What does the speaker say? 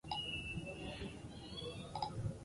Abentura eta akziozko pelikularen arrakasta azkarra izan zen.